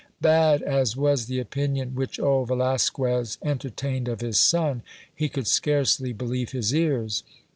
Bad as was the opinion which old Velasquez entertained of his son, he could scarcely believe his ears.